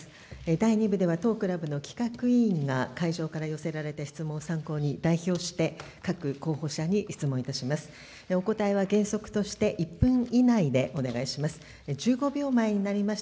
第２部では、トークの企画委員が会場から寄せられた質問を参考に、代表して各候補者に質問いたします。